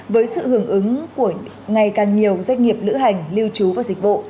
với sự hưởng ứng của ngày càng nhiều doanh nghiệp lữ hành lưu trú và dịch vụ